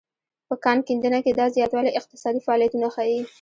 په کان کیندنه کې دا زیاتوالی اقتصادي فعالیتونه ښيي.